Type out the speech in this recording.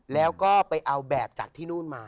แล้วก็ไปเอาแบบจากที่นู่นมา